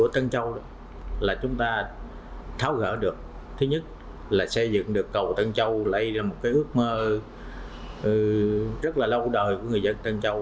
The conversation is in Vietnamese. thứ nhất là xây dựng được cầu tân châu lấy ra một cái ước mơ rất là lâu đời của người dân tân châu